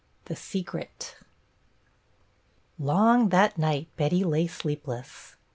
II THE SECRET L ong that night Betty lay sleepless. .